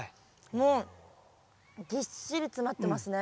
もうぎっしり詰まってますね。